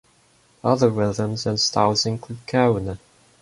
Other rhythms and styles include kawina.